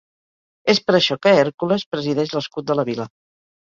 És per això que Hèrcules presideix l'escut de la Vila.